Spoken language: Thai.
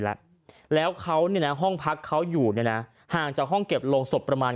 แล้วแล้วเขาเนี่ยนะห้องพักเขาอยู่เนี่ยนะห่างจากห้องเก็บโรงศพประมาณ